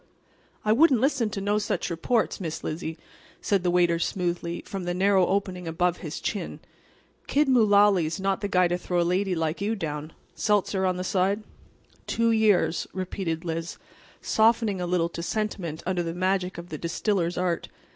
"I wouldn't listen to no such reports, Miss Lizzie," said the waiter smoothly, from the narrow opening above his chin. "Kid Mullaly's not the guy to throw a lady like you down. Seltzer on the side?" "Two years," repeated Liz, softening a little to sentiment under the magic of the distiller's art.